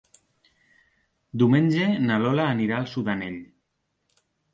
Diumenge na Lola anirà a Sudanell.